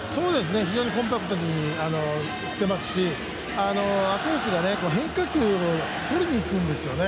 非常にコンパクトに振ってますし変化球を取りに行くんですよね。